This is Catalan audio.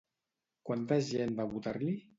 Quanta gent va votar-li?